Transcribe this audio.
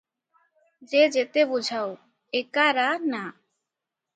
ଯେ ଯେତେ ବୁଝାଉ, ଏକା ରା - ନା ।